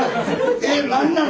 えっ何なの？